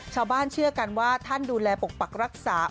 เชื่อกันว่าท่านดูแลปกปักรักษา